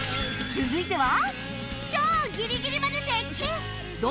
続いては。